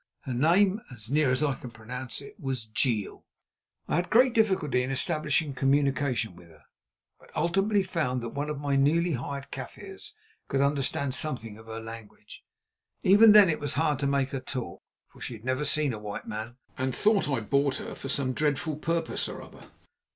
Her name, as near as I can pronounce it, was Jeel. I had great difficulty in establishing communication with her, but ultimately found that one of my newly hired Kaffirs could understand something of her language. Even then it was hard to make her talk, for she had never seen a white man, and thought I had bought her for some dreadful purpose or other.